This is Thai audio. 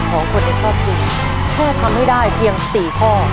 ของคนในครอบครัวแค่ทำให้ได้เพียง๔ข้อ